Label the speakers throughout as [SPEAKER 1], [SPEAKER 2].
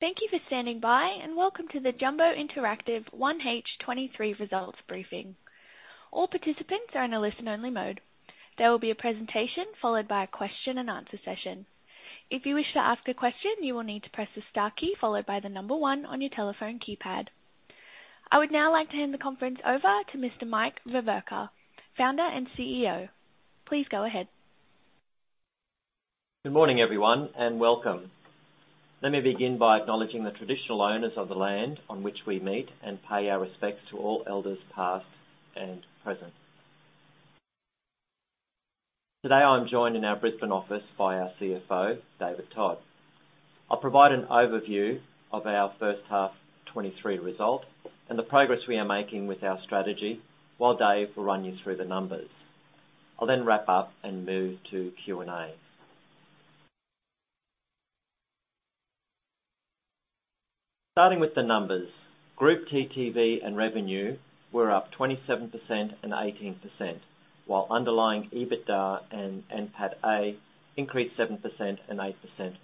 [SPEAKER 1] Thank you for standing by, and welcome to the Jumbo Interactive 1H 2023 results briefing. All participants are in a listen-only mode. There will be a presentation followed by a question and answer session. If you wish to ask a question, you will need to press the star key followed by the number one on your telephone keypad. I would now like to hand the conference over to Mr. Mike Veverka, Founder and CEO. Please go ahead.
[SPEAKER 2] Good morning, everyone, and welcome. Let me begin by acknowledging the traditional owners of the land on which we meet and pay our respects to all elders past and present. Today, I'm joined in our Brisbane office by our CFO, David Todd. I'll provide an overview of our first half 2023 result and the progress we are making with our strategy while Dave will run you through the numbers. I'll then wrap up and move to Q&A. Starting with the numbers. Group TTV and revenue were up 27% and 18%, while underlying EBITDA and NPATA increased 7% and 8%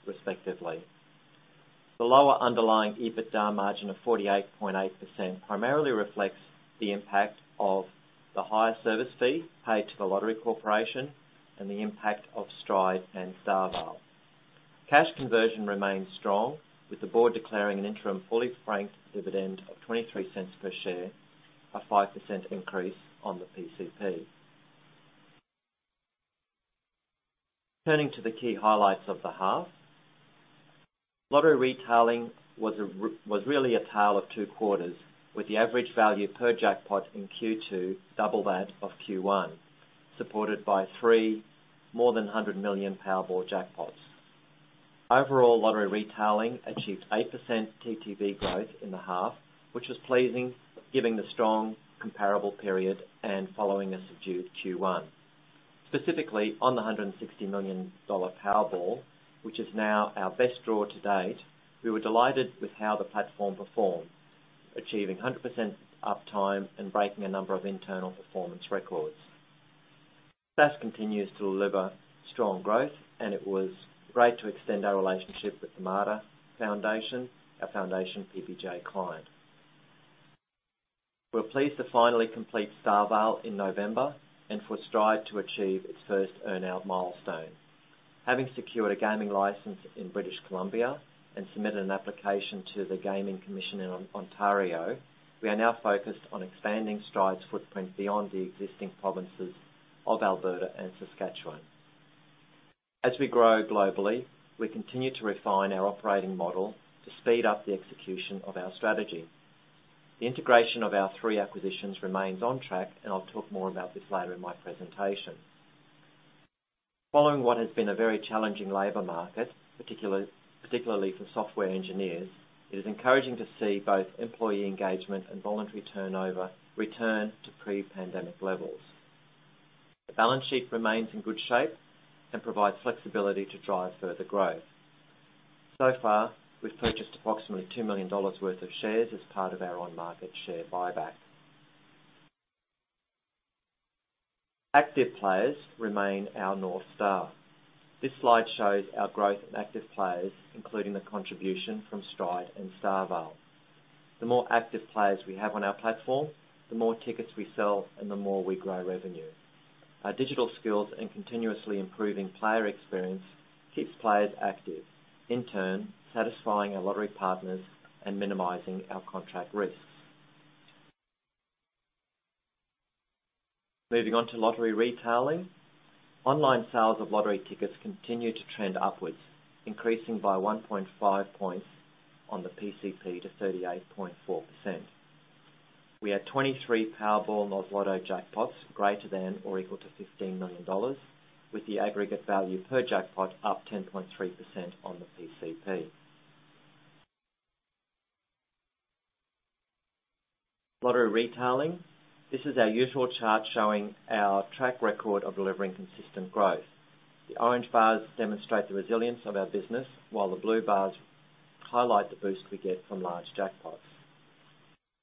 [SPEAKER 2] respectively. The lower underlying EBITDA margin of 48.8% primarily reflects the impact of the higher service fee paid to The Lottery Corporation and the impact of Stride and StarVale. Cash conversion remains strong, with the board declaring an interim fully franked dividend of 0.23 per share, a 5% increase on the PCP. Turning to the key highlights of the half. Lottery Retailing was really a tale of two quarters, with the average value per jackpot in Q2 double that of Q1, supported by three more than 100 million Powerball jackpots. Overall, Lottery Retailing achieved 8% TTV growth in the half, which was pleasing giving the strong comparable period and following a subdued Q1. Specifically on the 160 million dollar Powerball, which is now our best draw to date, we were delighted with how the platform performed, achieving 100% uptime and breaking a number of internal performance records. SaaS continues to deliver strong growth, and it was great to extend our relationship with the Mater Foundation, our foundation PBJ client. We're pleased to finally complete StarVale in November and for Stride to achieve its first earn-out milestone. Having secured a gaming license in British Columbia and submitted an application to the Gaming Commission in Ontario, we are now focused on expanding Stride's footprint beyond the existing provinces of Alberta and Saskatchewan. As we grow globally, we continue to refine our operating model to speed up the execution of our strategy. The integration of our three acquisitions remains on track, and I'll talk more about this later in my presentation. Following what has been a very challenging labor market, particularly for software engineers, it is encouraging to see both employee engagement and voluntary turnover return to pre-pandemic levels. The balance sheet remains in good shape and provides flexibility to drive further growth. So far, we've purchased approximately $2 million worth of shares as part of our on-market share buy-back. Active players remain our North Star. This slide shows our growth in active players, including the contribution from Stride and StarVale. The more active players we have on our platform, the more tickets we sell and the more we grow revenue. Our digital skills and continuously improving player experience keeps players active, in turn satisfying our lottery partners and minimizing our contract risks. Moving on to Lottery Retailing. Online sales of lottery tickets continue to trend upwards, increasing by 1.5 points on the PCP to 38.4%. We had 23 Powerball Oz Lotto jackpots greater than or equal to 15 million dollars, with the aggregate value per jackpot up 10.3% on the PCP. Lottery Retailing. This is our usual chart showing our track record of delivering consistent growth. The orange bars demonstrate the resilience of our business, while the blue bars highlight the boost we get from large jackpots.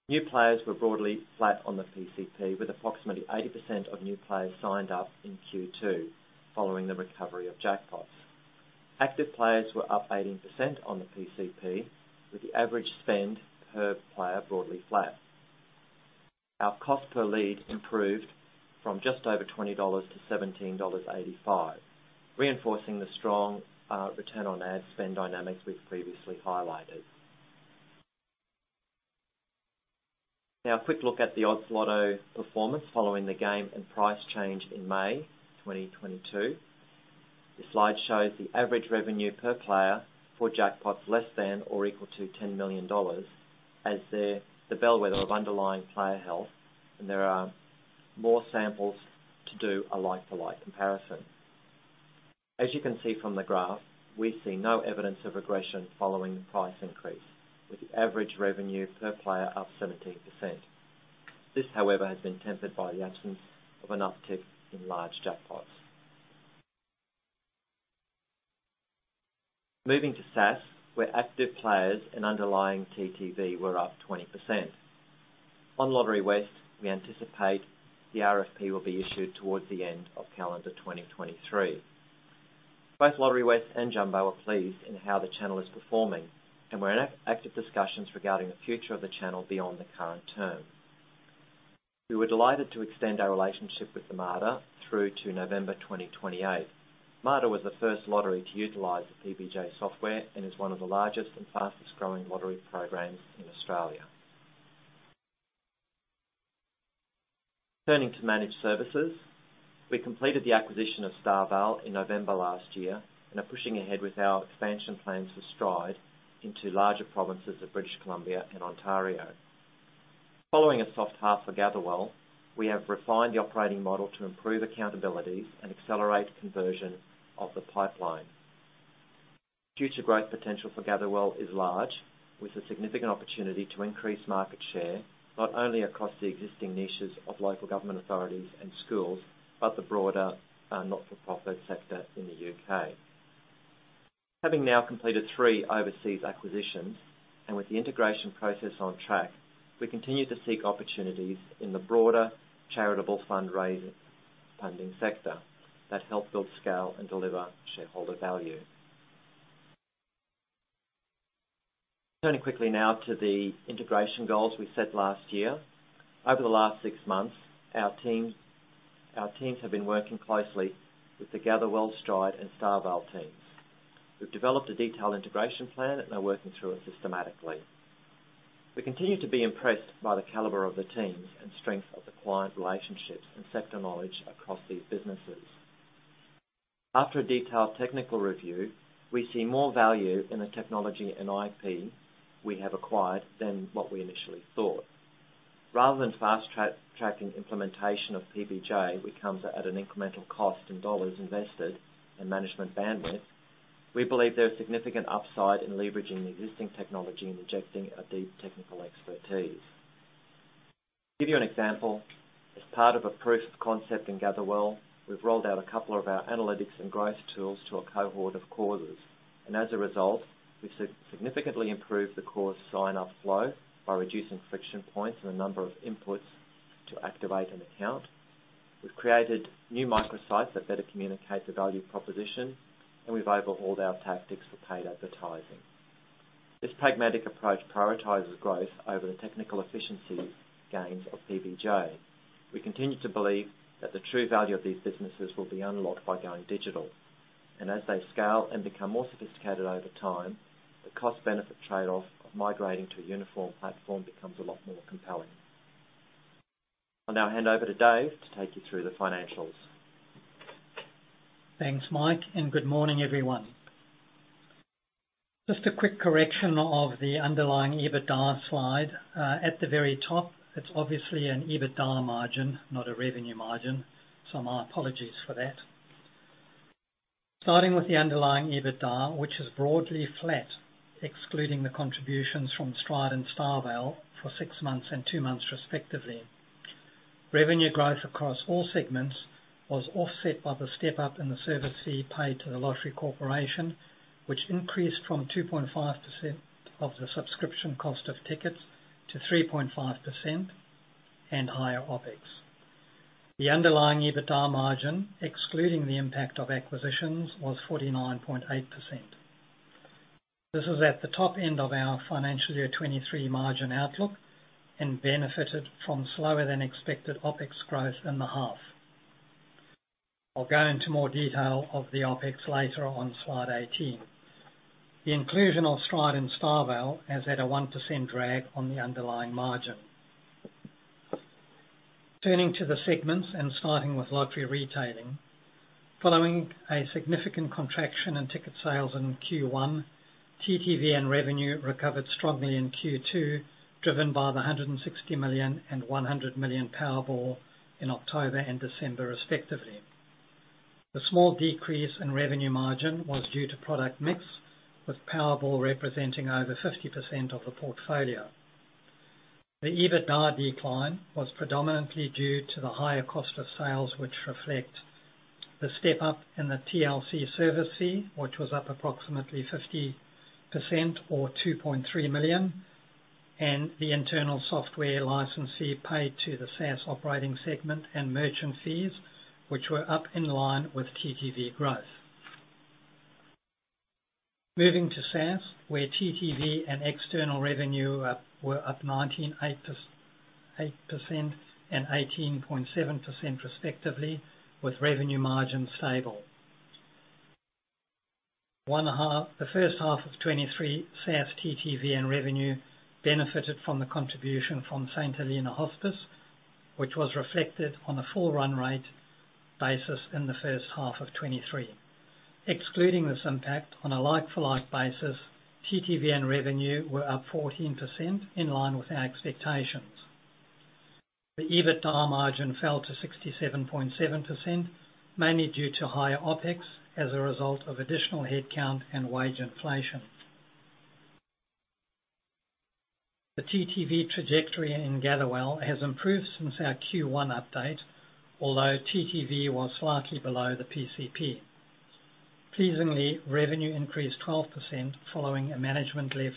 [SPEAKER 2] New players were broadly flat on the PCP, with approximately 80% of new players signed up in Q2 following the recovery of jackpots. Active players were up 18% on the PCP, with the average spend per player broadly flat. Our cost per lead improved from just over 20-17.85 dollars, reinforcing the strong return on ad spend dynamics we've previously highlighted. Now a quick look at the Oz Lotto performance following the game and price change in May 2022. This slide shows the average revenue per player for jackpots less than or equal to 10 million dollars as the bellwether of underlying player health, and there are more samples to do a like-for-like comparison. As you can see from the graph, we see no evidence of regression following the price increase, with the average revenue per player up 17%. This, however, has been tempered by the absence of an uptick in large jackpots. Moving to SaaS, where active players and underlying TTV were up 20%. On Lotterywest, we anticipate the RFP will be issued towards the end of calendar 2023. Both Lotterywest and Jumbo are pleased in how the channel is performing, and we're in active discussions regarding the future of the channel beyond the current term. We were delighted to extend our relationship with the Mater through to November 2028. Mater was the first lottery to utilize the PBJ software and is one of the largest and fastest-growing lottery programs in Australia. Turning to Managed Services. We completed the acquisition of StarVale in November last year and are pushing ahead with our expansion plans for Stride into larger provinces of British Columbia and Ontario. Following a soft half for Gatherwell, we have refined the operating model to improve accountabilities and accelerate conversion of the pipeline. Future growth potential for Gatherwell is large, with a significant opportunity to increase market share, not only across the existing niches of local government authorities and schools, but the broader not-for-profit sector in the U.K. Having now completed three overseas acquisitions and with the integration process on track, we continue to seek opportunities in the broader charitable funding sector that help build scale and deliver shareholder value. Turning quickly now to the integration goals we set last year. Over the last six months, our teams have been working closely with the Gatherwell, Stride, and StarVale teams. We've developed a detailed integration plan, and they're working through it systematically. We continue to be impressed by the caliber of the teams and strength of the client relationships and sector knowledge across these businesses. After a detailed technical review, we see more value in the technology and IP we have acquired than what we initially thought. Rather than fast tracking implementation of PBJ, which comes at an incremental cost in dollars invested and management bandwidth, we believe there is significant upside in leveraging the existing technology and injecting these technical expertise. To give you an example, as part of a proof of concept in Gatherwell, we've rolled out a couple of our analytics and growth tools to a cohort of causes. As a result, we significantly improved the cause sign-up flow by reducing friction points and the number of inputs to activate an account. We've created new microsites that better communicate the value proposition, and we've overhauled our tactics for paid advertising. This pragmatic approach prioritizes growth over the technical efficiency gains of PBJ. We continue to believe that the true value of these businesses will be unlocked by going digital. As they scale and become more sophisticated over time, the cost-benefit trade-off of migrating to a uniform platform becomes a lot more compelling. I'll now hand over to Dave to take you through the financials.
[SPEAKER 3] Thanks, Mike, and good morning, everyone. Just a quick correction of the underlying EBITDA slide. At the very top, it's obviously an EBITDA margin, not a revenue margin, so my apologies for that. Starting with the underlying EBITDA, which is broadly flat, excluding the contributions from Stride and StarVale for six months and two months, respectively. Revenue growth across all segments was offset by the step-up in the service fee paid to The Lottery Corporation, which increased from 2.5% of the subscription cost of tickets to 3.5% and higher OpEx. The underlying EBITDA margin, excluding the impact of acquisitions, was 49.8%. This is at the top end of our financial year 2023 margin outlook and benefited from slower than expected OpEx growth in the half. I'll go into more detail of the OpEx later on slide 18. The inclusion of Stride and StarVale has had a 1% drag on the underlying margin. Turning to the segments and starting with lottery retailing. Following a significant contraction in ticket sales in Q1, TTV and revenue recovered strongly in Q2, driven by the 160 million and 100 million Powerball in October and December respectively. The small decrease in revenue margin was due to product mix, with Powerball representing over 50% of the portfolio. The EBITDA decline was predominantly due to the higher cost of sales, which reflect the step-up in the TLC service fee, which was up approximately 50% or 2.3 million, and the internal software licensee paid to the SaaS operating segment and merchant fees, which were up in line with TTV growth. Moving to SaaS, where TTV and external revenue were up 19.8% and 18.7% respectively, with revenue margins stable. The first half of 2023, SaaS TTV and revenue benefited from the contribution from St Helena Hospice, which was reflected on a full run rate basis in the first half of 2023. Excluding this impact on a like-for-like basis, TTV and revenue were up 14% in line with our expectations. The EBITDA margin fell to 67.7%, mainly due to higher OpEx as a result of additional headcount and wage inflation. The TTV trajectory in Gatherwell has improved since our Q1 update, although TTV was slightly below the PCP. Pleasingly, revenue increased 12% following a management-led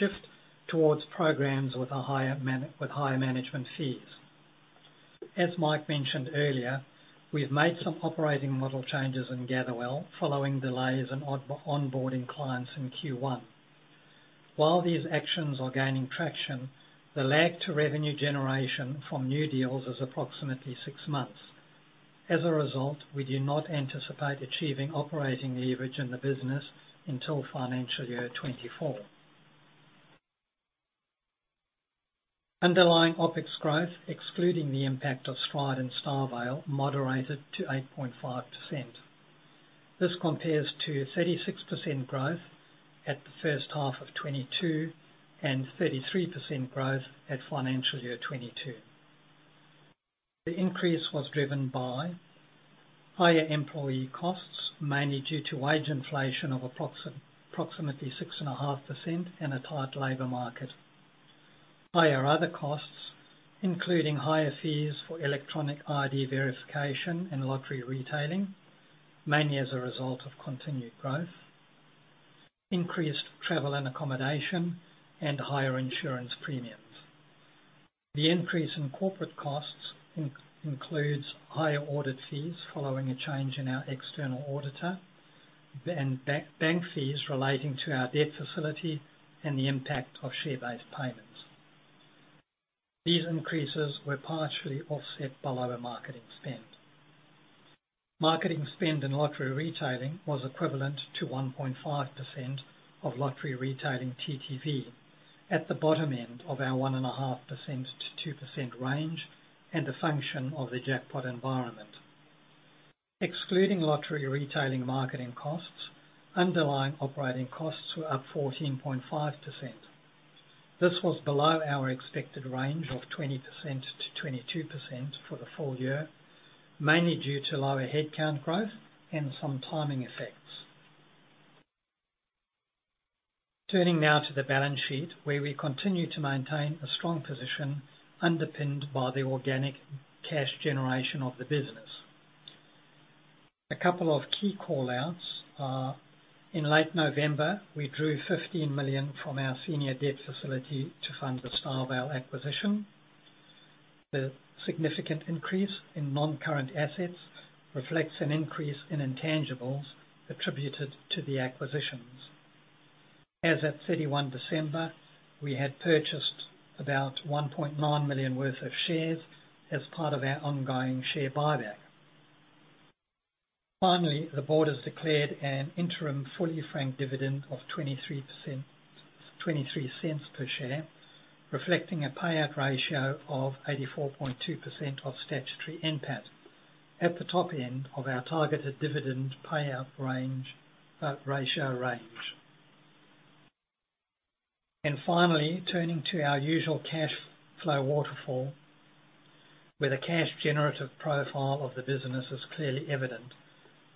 [SPEAKER 3] shift towards programs with higher management fees. As Mike mentioned earlier, we've made some operating model changes in Gatherwell following delays in onboarding clients in Q1. While these actions are gaining traction, the lag to revenue generation from new deals is approximately six months. As a result, we do not anticipate achieving operating leverage in the business until financial year 2024. Underlying OpEx growth, excluding the impact of Stride and StarVale, moderated to 8.5%. This compares to 36% growth at the first half of 2022 and 33% growth at financial year 2022. The increase was driven by higher employee costs, mainly due to wage inflation of approximately 6.5% in a tight labor market. Higher other costs, including higher fees for electronic ID verification and Lottery Retailing, mainly as a result of continued growth, increased travel and accommodation and higher insurance premiums. The increase in corporate costs includes higher audit fees following a change in our external auditor and bank fees relating to our debt facility and the impact of share-based payments. These increases were partially offset by lower marketing spend. Marketing spend in Lottery Retailing was equivalent to 1.5% of Lottery Retailing TTV, at the bottom end of our 1.5%-2% range and a function of the jackpot environment. Excluding Lottery Retailing marketing costs, underlying operating costs were up 14.5%. This was below our expected range of 20%-22% for the full year, mainly due to lower headcount growth and some timing effects. Turning now to the balance sheet, where we continue to maintain a strong position underpinned by the organic cash generation of the business. A couple of key call-outs are, in late November, we drew 15 million from our senior debt facility to fund the StarVale acquisition. The significant increase in non-current assets reflects an increase in intangibles attributed to the acquisitions. As at 31 December, we had purchased about 1.9 million worth of shares as part of our ongoing share buy-back. The board has declared an interim fully franked dividend of 0.23 per share, reflecting a payout ratio of 84.2% of statutory NPAT, at the top end of our targeted dividend payout range, ratio range. Turning to our usual cash flow waterfall, where the cash generative profile of the business is clearly evident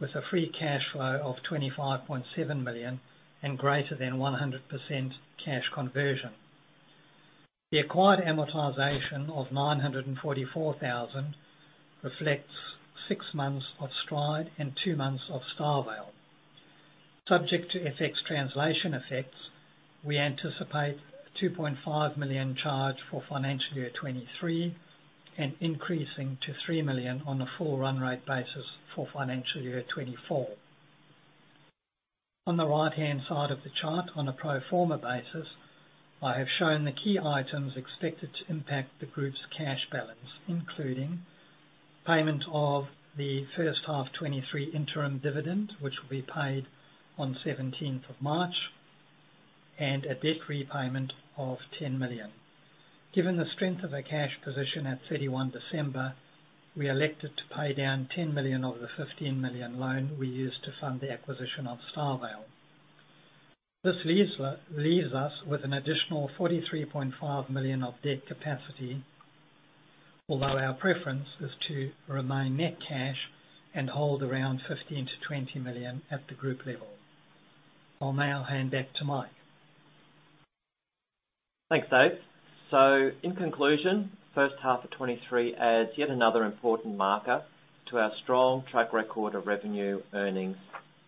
[SPEAKER 3] with a free cash flow of 25.7 million and greater than 100% cash conversion. The acquired amortization of 944,000 reflects six months of Stride and two months of StarVale. Subject to FX translation effects, we anticipate an 2.5 million charge for financial year 2023 and increasing to 3 million on a full run rate basis for financial year 2024. On the right-hand side of the chart on a pro forma basis, I have shown the key items expected to impact the group's cash balance, including payment of the first half 2023 interim dividend, which will be paid on 17th of March, and a debt repayment of 10 million. Given the strength of the cash position at 31 December, we elected to pay down 10 million of the 15 million loan we used to fund the acquisition of StarVale. This leaves us with an additional 43.5 million of debt capacity. Our preference is to remain net cash and hold around 15 million-20 million at the group level. I'll now hand back to Mike.
[SPEAKER 2] Thanks, Dave. In conclusion, first half of 2023 adds yet another important marker to our strong track record of revenue, earnings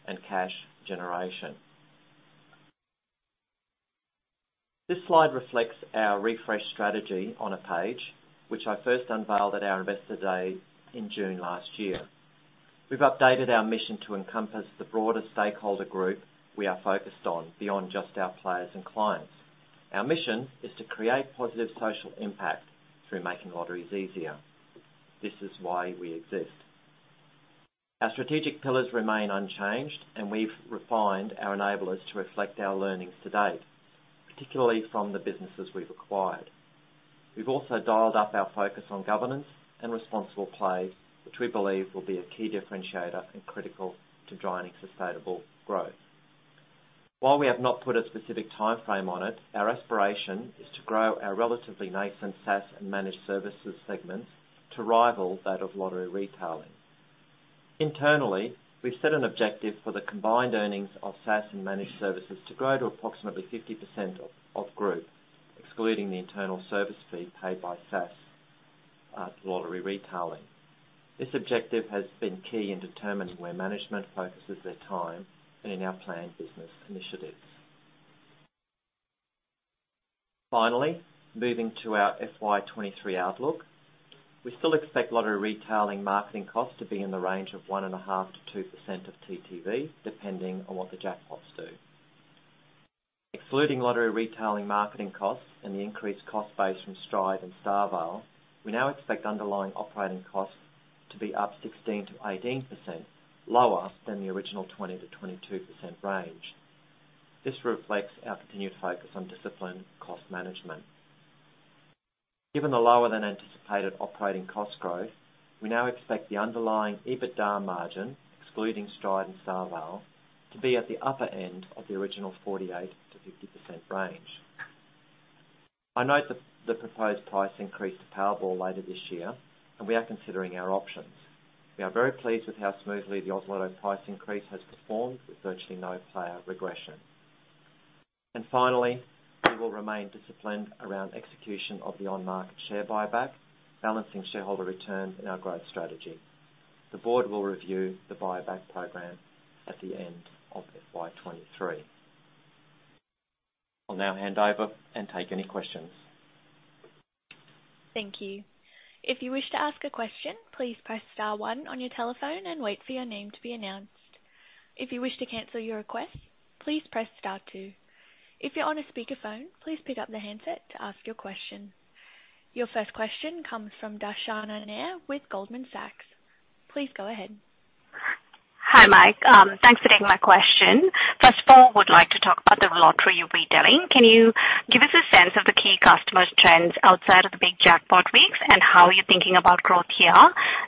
[SPEAKER 2] and cash generation. This slide reflects our refresh strategy on a page, which I first unveiled at our Investor Day in June last year. We've updated our mission to encompass the broader stakeholder group we are focused on beyond just our players and clients. Our mission is to create positive social impact through making lotteries easier. This is why we exist. Our strategic pillars remain unchanged. We've refined our enablers to reflect our learnings to date, particularly from the businesses we've acquired. We've also dialed up our focus on governance and responsible play, which we believe will be a key differentiator and critical to driving sustainable growth. While we have not put a specific timeframe on it, our aspiration is to grow our relatively nascent SaaS and Managed Services segments to rival that of Lottery Retailing. Internally, we've set an objective for the combined earnings of SaaS and Managed Services to grow to approximately 50% of group, excluding the internal service fee paid by SaaS. Lottery Retailing. This objective has been key in determining where management focuses their time and in our planned business initiatives. Finally, moving to our FY 2023 outlook. We still expect Lottery Retailing marketing costs to be in the range of 1.5%-2% of TTV, depending on what the jackpots do. Excluding Lottery Retailing marketing costs and the increased cost base from Stride and StarVale, we now expect underlying operating costs to be up 16%-18%, lower than the original 20%-22% range. This reflects our continued focus on disciplined cost management. Given the lower than anticipated operating cost growth, we now expect the underlying EBITDA margin, excluding Stride and StarVale, to be at the upper end of the original 48%-50% range. I note the proposed price increase to Powerball later this year, and we are considering our options. We are very pleased with how smoothly the Oz Lotto price increase has performed, with virtually no player regression. Finally, we will remain disciplined around execution of the on-market share buy-back, balancing shareholder returns and our growth strategy. The board will review the buyback program at the end of FY 2023. I'll now hand over and take any questions.
[SPEAKER 1] Thank you. If you wish to ask a question, please press star 1 on your telephone and wait for your name to be announced. If you wish to cancel your request, please press star two. If you're on a speakerphone, please pick up the handset to ask your question. Your first question comes from Darshana Nair with Goldman Sachs. Please go ahead.
[SPEAKER 4] Hi, Mike. thanks for taking my question. First of all, would like to talk about the Lottery Retailing. Can you give us a sense of the key customers trends outside of the big jackpot weeks and how you're thinking about growth here,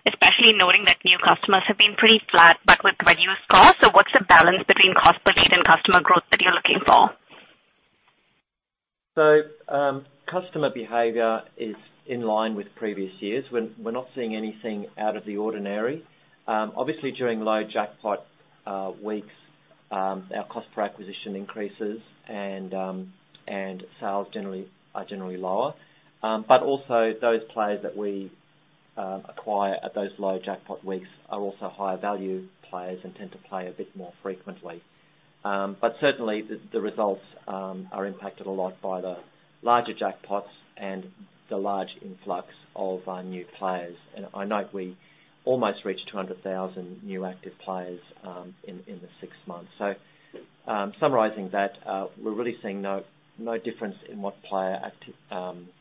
[SPEAKER 4] especially knowing that new customers have been pretty flat, but with reduced costs? What's the balance between cost per lead and customer growth that you're looking for?
[SPEAKER 2] Customer behavior is in line with previous years. We're not seeing anything out of the ordinary. Obviously, during low jackpot weeks, our cost per acquisition increases and sales are generally lower. Also those players that we acquire at those low jackpot weeks are also higher value players and tend to play a bit more frequently. Certainly the results are impacted a lot by the larger jackpots and the large influx of new players. I note we almost reached 200,000 new active players in the six months. Summarizing that, we're really seeing no difference in what player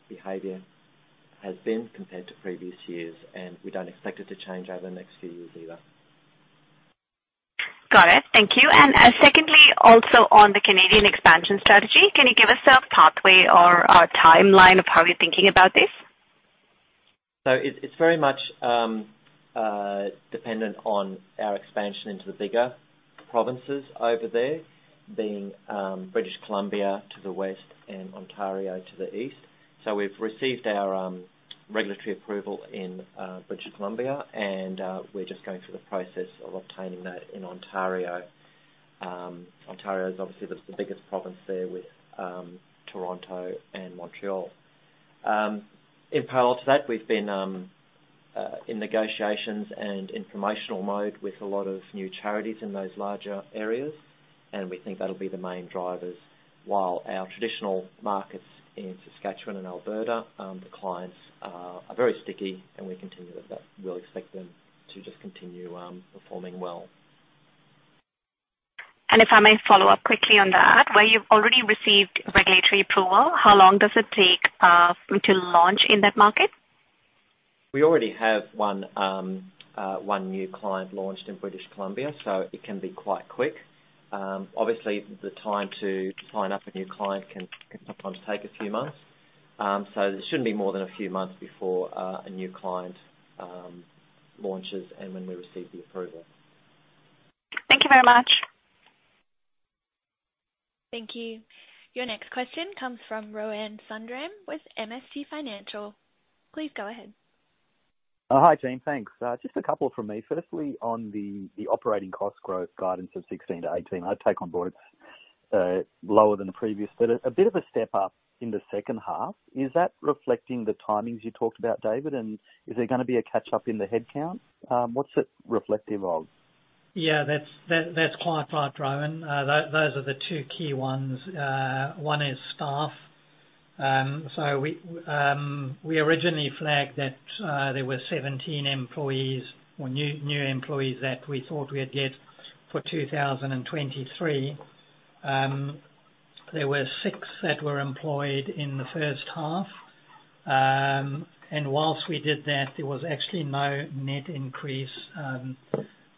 [SPEAKER 2] behavior has been compared to previous years, and we don't expect it to change over the next few years either.
[SPEAKER 4] Got it. Thank you. Secondly, also on the Canadian expansion strategy, can you give us a pathway or a timeline of how you're thinking about this?
[SPEAKER 2] It's very much dependent on our expansion into the bigger provinces over there, being British Columbia to the west and Ontario to the east. We've received our regulatory approval in British Columbia, and we're just going through the process of obtaining that in Ontario. Ontario's obviously the biggest province there with Toronto and Montreal. In parallel to that, we've been in negotiations and informational mode with a lot of new charities in those larger areas, and we think that'll be the main drivers. While our traditional markets in Saskatchewan and Alberta, the clients are very sticky, and we're confident that we'll expect them to just continue performing well.
[SPEAKER 4] If I may follow up quickly on that, where you've already received regulatory approval, how long does it take to launch in that market?
[SPEAKER 2] We already have one new client launched in British Columbia, so it can be quite quick. Obviously the time to sign up a new client can sometimes take a few months. There shouldn't be more than a few months before a new client launches and when we receive the approval.
[SPEAKER 4] Thank you very much.
[SPEAKER 1] Thank you. Your next question comes from Rohan Sundram with MST Financial. Please go ahead.
[SPEAKER 5] Hi, team. Thanks. Just a couple from me. Firstly, on the operating cost growth guidance of 16%-18%, I take on board it's lower than the previous, but a bit of a step up in the second half. Is that reflecting the timings you talked about, David? Is there gonna be a catch-up in the headcount? What's it reflective of?
[SPEAKER 3] Yeah, that's quite right, Rohan. Those are the two key ones. One is staff. So we originally flagged that there were 17 employees or new employees that we thought we had yet for 2023. There were six that were employed in the first half. And whilst we did that, there was actually no net increase.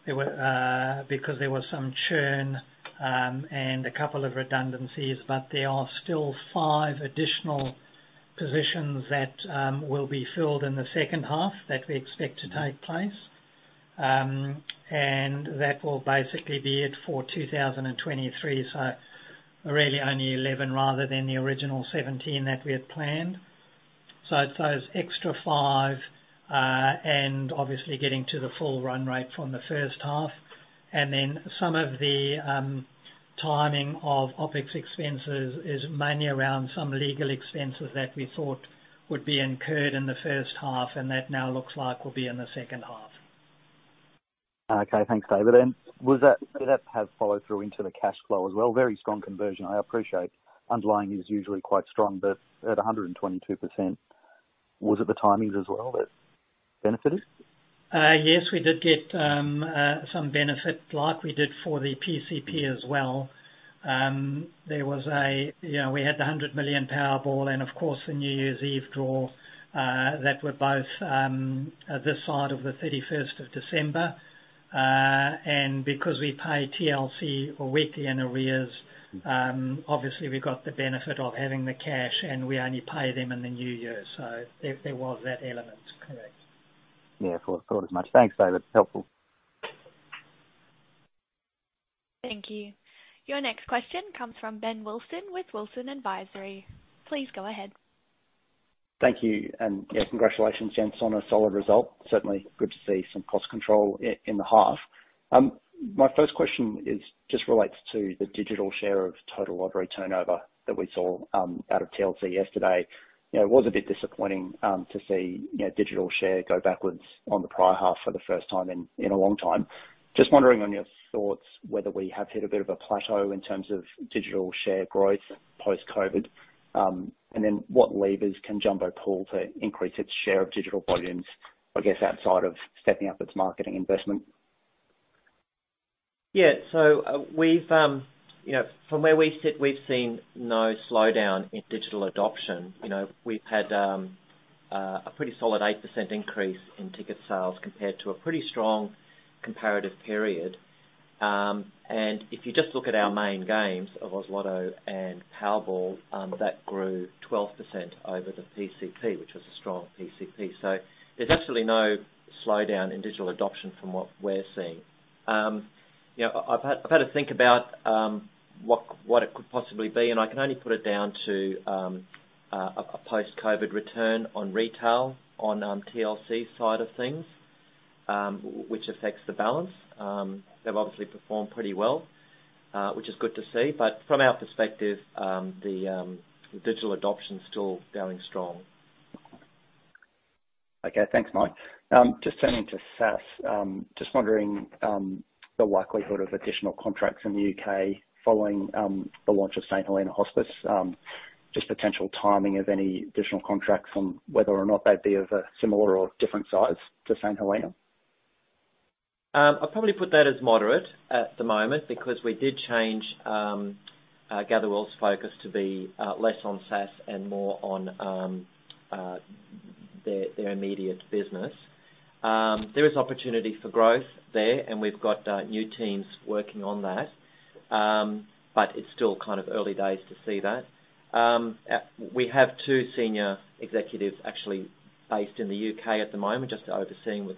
[SPEAKER 3] There were because there was some churn and a couple of redundancies. There are still 5 additional positions that will be filled in the second half that we expect to take place. And that will basically be it for 2023. Really only 11 rather than the original 17 that we had planned. It's those extra five, and obviously getting to the full run rate from the first half. Some of the timing of OpEx expenses is mainly around some legal expenses that we thought would be incurred in the first half, and that now looks like will be in the second half.
[SPEAKER 5] Okay. Thanks, David. Did that have follow-through into the cash flow as well? Very strong conversion. I appreciate underlying is usually quite strong, but at 122%, was it the timings as well that benefit it?
[SPEAKER 3] Yes, we did get some benefit like we did for the PCP as well. There was a, you know, we had the $100 million Powerball and of course the New Year's Eve draw that were both this side of the 31st of December. Because we pay TLC weekly in arrears, obviously we got the benefit of having the cash, and we only pay them in the new year. There was that element, correct.
[SPEAKER 5] Yeah. Thought, thought as much. Thanks, David. Helpful.
[SPEAKER 1] Thank you. Your next question comes from Ben Wilson with Wilsons Advisory. Please go ahead.
[SPEAKER 6] Thank you. Yeah, congratulations, gents, on a solid result. Certainly good to see some cost control in the half. My first question is just relates to the digital share of total lottery turnover that we saw out of TLC yesterday. You know, it was a bit disappointing to see, you know, digital share go backwards on the prior half for the first time in a long time. Just wondering on your thoughts whether we have hit a bit of a plateau in terms of digital share growth post-COVID? Then what levers can Jumbo pull to increase its share of digital volumes, I guess, outside of stepping up its marketing investment?
[SPEAKER 2] Yeah. You know, from where we sit, we've seen no slowdown in digital adoption. You know, we've had a pretty solid 8% increase in ticket sales compared to a pretty strong comparative period. If you just look at our main games of Oz Lotto and Powerball, that grew 12% over the PCP, which was a strong PCP. There's actually no slowdown in digital adoption from what we're seeing. You know, I've had, I've had a think about what it could possibly be, and I can only put it down to a post-COVID return on retail on TLC side of things, which affects the balance. They've obviously performed pretty well, which is good to see. From our perspective, the digital adoption's still going strong.
[SPEAKER 6] Thanks, Mike. Just turning to SaaS, just wondering, the likelihood of additional contracts in the U.K. following, the launch of St Helena Hospice. Just potential timing of any additional contracts and whether or not they'd be of a similar or different size to St Helena.
[SPEAKER 2] I'd probably put that as moderate at the moment because we did change Gatherwell's focus to be less on SaaS and more on their immediate business. There is opportunity for growth there, and we've got new teams working on that. It's still kind of early days to see that. We have two senior executives actually based in the U.K. at the moment, just overseeing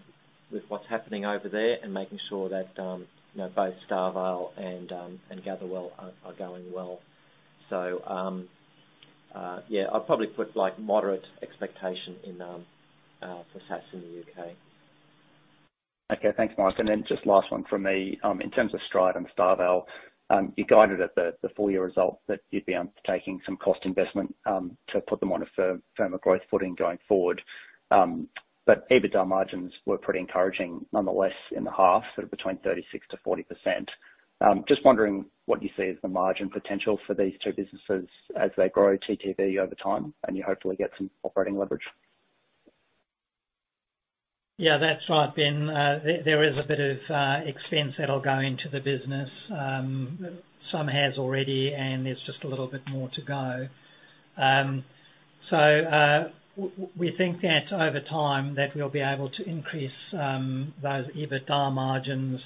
[SPEAKER 2] what's happening over there and making sure that, you know, both StarVale and Gatherwell are going well. Yeah, I'd probably put like moderate expectation in for SaaS in the U.K..
[SPEAKER 6] Okay. Thanks, Mike. Just last one from me. In terms of Stride and StarVale, you guided at the full year result that you'd be undertaking some cost investment to put them on a firm, firmer growth footing going forward. EBITDA margins were pretty encouraging nonetheless in the half, sort of between 36%-40%. Just wondering what you see as the margin potential for these two businesses as they grow TTV over time, and you hopefully get some operating leverage.
[SPEAKER 3] That's right, Ben. There is a bit of expense that'll go into the business. Some has already, and there's just a little bit more to go. We think that over time that we'll be able to increase those EBITDA margins,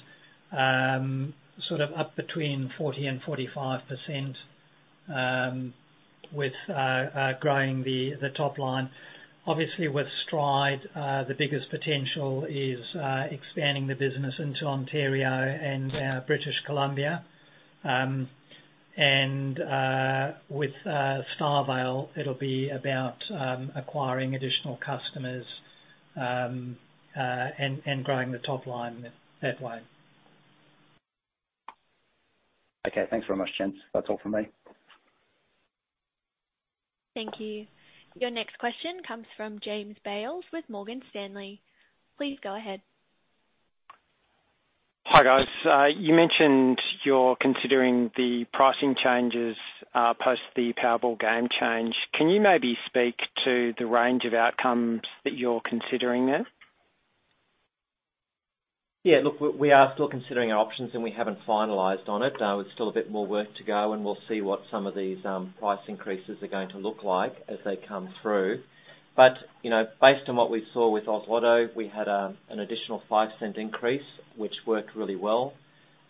[SPEAKER 3] sort of up between 40% and 45%, with growing the top line. Obviously with Stride, the biggest potential is expanding the business into Ontario and British Columbia. With StarVale, it'll be about acquiring additional customers, and growing the top line that way.
[SPEAKER 6] Okay. Thanks very much, gents. That's all from me.
[SPEAKER 1] Thank you. Your next question comes from James Bales with Morgan Stanley. Please go ahead.
[SPEAKER 7] Hi, guys. You mentioned you're considering the pricing changes, post the Powerball game change. Can you maybe speak to the range of outcomes that you're considering there?
[SPEAKER 2] Look, we are still considering our options, and we haven't finalized on it. It's still a bit more work to go, and we'll see what some of these price increases are going to look like as they come through. You know, based on what we saw with Oz Lotto, we had an additional 0.05 increase, which worked really well.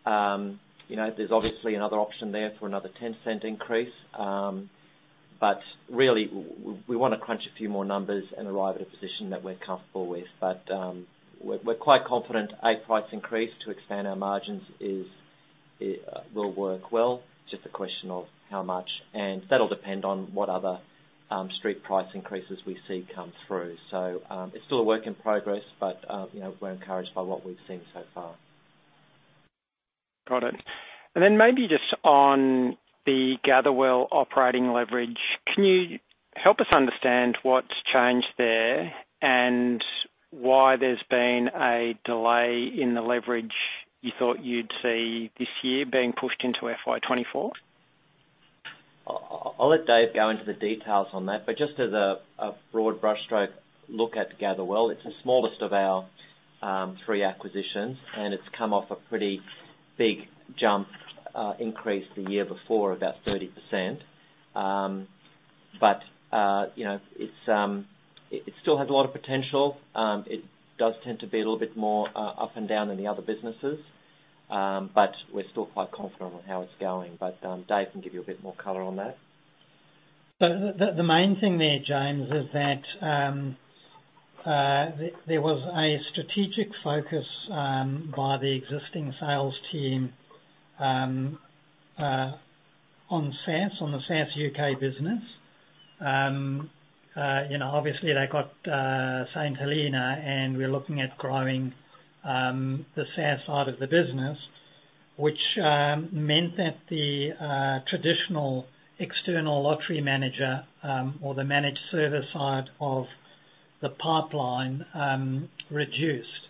[SPEAKER 2] You know, there's obviously another option there for another 0.10 increase. Really, we wanna crunch a few more numbers and arrive at a position that we're comfortable with. We're quite confident a price increase to expand our margins is It will work well. Just a question of how much, and that'll depend on what other street price increases we see come through. It's still a work in progress, but, you know, we're encouraged by what we've seen so far.
[SPEAKER 7] Got it. Maybe just on the Gatherwell operating leverage, can you help us understand what's changed there and why there's been a delay in the leverage you thought you'd see this year being pushed into FY 2024?
[SPEAKER 2] I'll let Dave go into the details on that, but just as a broad brushstroke look at Gatherwell, it's the smallest of our three acquisitions, and it's come off a pretty big jump, increase the year before, about 30%. You know, it still has a lot of potential. It does tend to be a little bit more up and down than the other businesses. We're still quite confident on how it's going. Dave can give you a bit more color on that.
[SPEAKER 3] The main thing there, James, is that there was a strategic focus by the existing sales team on SaaS, on the SaaS U.K. business. you know, obviously they got St. Helena, and we're looking at growing the SaaS side of the business, which meant that the traditional external lottery manager, or the Managed Services side of the pipeline, reduced.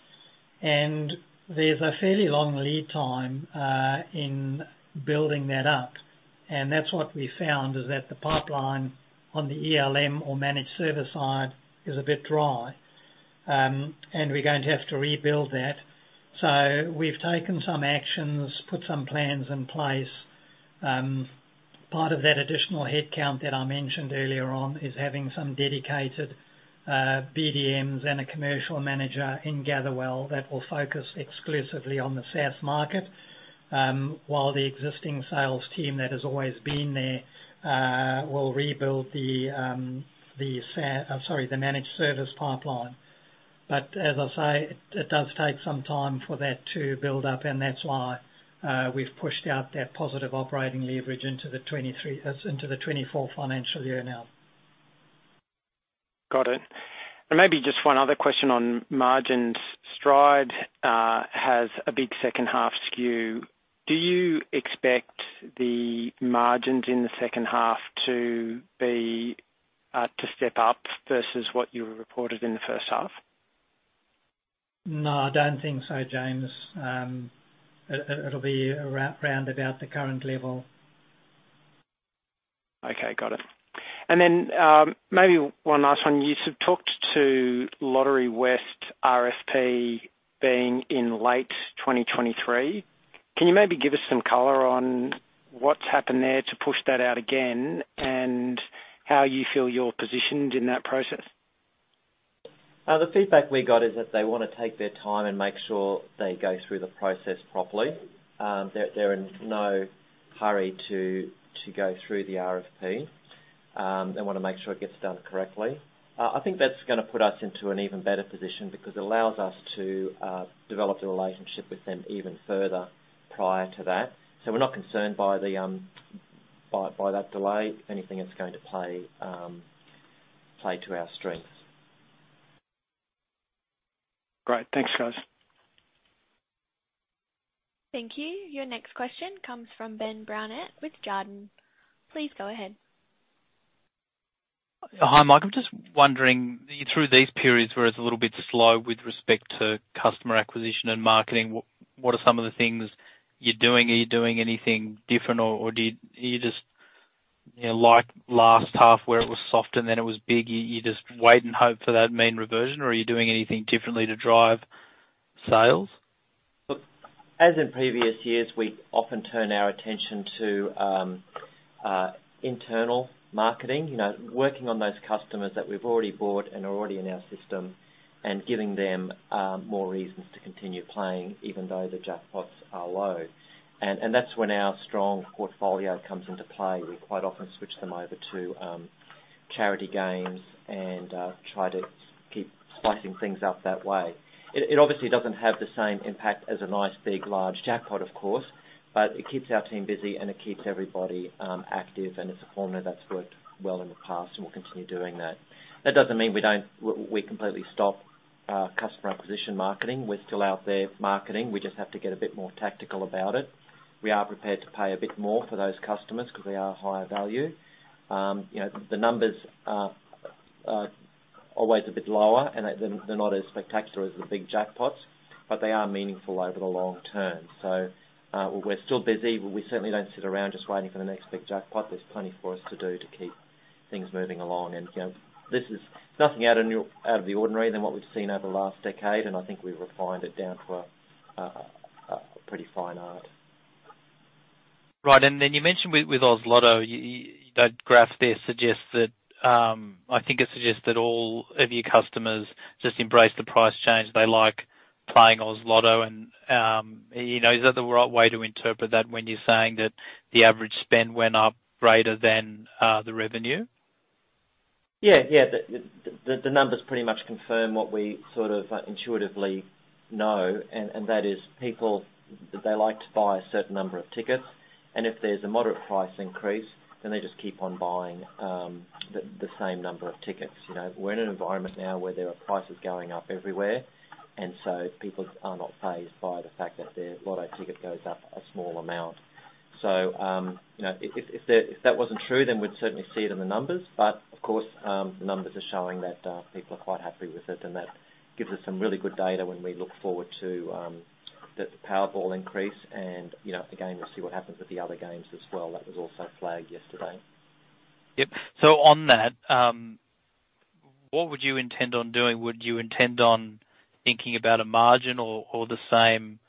[SPEAKER 3] There's a fairly long lead time in building that up. That's what we found, is that the pipeline on the ELM or Managed Services side is a bit dry. We're going to have to rebuild that. We've taken some actions, put some plans in place. Part of that additional headcount that I mentioned earlier on is having some dedicated BDMs and a commercial manager in Gatherwell that will focus exclusively on the SaaS market, while the existing sales team that has always been there, will rebuild the managed service pipeline. As I say, it does take some time for that to build up, and that's why we've pushed out that positive operating leverage into the 2024 financial year now.
[SPEAKER 7] Got it. Maybe just one other question on margins. Stride has a big second half skew. Do you expect the margins in the second half to be to step up versus what you reported in the first half?
[SPEAKER 3] No, I don't think so, James. It'll be around about the current level.
[SPEAKER 7] Okay, got it. Then, maybe one last one. You sort of talked to Lotterywest RFP being in late 2023. Can you maybe give us some color on what's happened there to push that out again and how you feel you're positioned in that process?
[SPEAKER 2] The feedback we got is that they wanna take their time and make sure they go through the process properly. They're in no hurry to go through the RFP. They wanna make sure it gets done correctly. I think that's gonna put us into an even better position because it allows us to develop the relationship with them even further prior to that. We're not concerned by that delay. If anything, it's going to play to our strengths.
[SPEAKER 7] Great. Thanks, guys.
[SPEAKER 1] Thank you. Your next question comes from Ben Brownette with Jarden. Please go ahead.
[SPEAKER 8] Hi, Mike. I'm just wondering, through these periods where it's a little bit slow with respect to customer acquisition and marketing, what are some of the things you're doing? Are you doing anything different or did you just, you know, like last half where it was soft and then it was big, you just wait and hope for that mean reversion, or are you doing anything differently to drive sales?
[SPEAKER 2] Look, as in previous years, we often turn our attention to internal marketing, you know, working on those customers that we've already bought and are already in our system and giving them more reasons to continue playing even though the jackpots are low. That's when our strong portfolio comes into play. We quite often switch them over to charity games and try to keep spicing things up that way. It obviously doesn't have the same impact as a nice, big, large jackpot, of course, but it keeps our team busy and it keeps everybody active, it's a formula that's worked well in the past, and we'll continue doing that. That doesn't mean we don't completely stop customer acquisition marketing. We're still out there marketing. We just have to get a bit more tactical about it. We are prepared to pay a bit more for those customers 'cause they are higher value. you know, the numbers are always a bit lower and they're not as spectacular as the big jackpots, but they are meaningful over the long term. We're still busy. We certainly don't sit around just waiting for the next big jackpot. There's plenty for us to do to keep things moving along. you know, this is nothing out of the ordinary than what we've seen over the last decade, and I think we've refined it down to a pretty fine art.
[SPEAKER 8] Right. Then you mentioned with Oz Lotto, you know, that graph there suggests that, I think it suggests that all of your customers just embrace the price change. They like playing Oz Lotto. You know, is that the right way to interpret that when you're saying that the average spend went up greater than the revenue?
[SPEAKER 2] Yeah. Yeah. The numbers pretty much confirm what we sort of intuitively know, and that is people, they like to buy a certain number of tickets, and if there's a moderate price increase, then they just keep on buying the same number of tickets. You know, we're in an environment now where there are prices going up everywhere, people are not fazed by the fact that their lotto ticket goes up a small amount. You know, if that wasn't true, then we'd certainly see it in the numbers. Of course, the numbers are showing that people are quite happy with it, and that gives us some really good data when we look forward to the Powerball increase and, you know, again, we'll see what happens with the other games as well. That was also flagged yesterday.
[SPEAKER 8] Yep. On that, what would you intend on doing? Would you intend on thinking about a margin or the same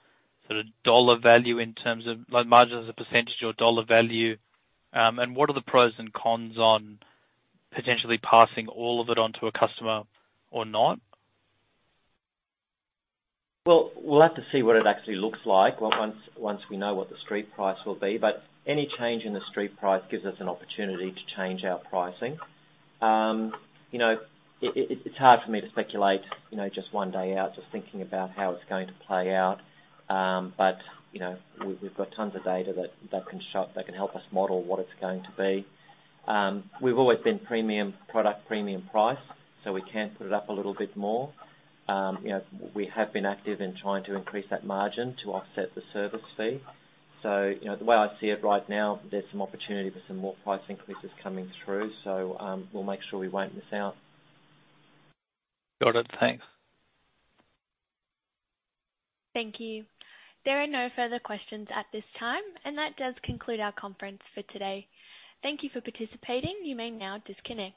[SPEAKER 8] sort of dollar value in terms of like margin as a percentage or dollar value? What are the pros and cons on potentially passing all of it on to a customer or not?
[SPEAKER 2] Well, we'll have to see what it actually looks like well once we know what the street price will be, any change in the street price gives us an opportunity to change our pricing. You know, it's hard for me to speculate, you know, just one day out, just thinking about how it's going to play out. You know, we've got tons of data that can show us, that can help us model what it's going to be. We've always been premium product, premium price, we can put it up a little bit more. You know, we have been active in trying to increase that margin to offset the service fee. You know, the way I see it right now, there's some opportunity for some more price increases coming through, so, we'll make sure we won't miss out.
[SPEAKER 8] Got it. Thanks.
[SPEAKER 1] Thank you. There are no further questions at this time, and that does conclude our conference for today. Thank you for participating. You may now disconnect.